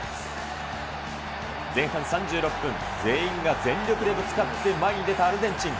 前半３６分、全員が全力でぶつかって前に出たアルゼンチン。